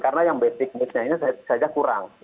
karena yang basic mixnya ini saja kurang